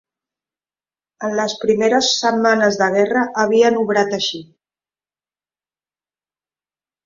En les primeres setmanes de guerra havien obrat així